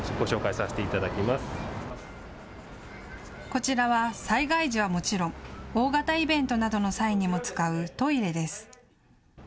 こちらは災害時はもちろん、大型イベントなどの際にも使うトイレです。